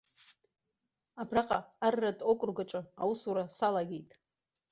Абраҟа арратә округк аҿы аусура салагеит.